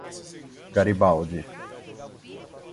Garibaldi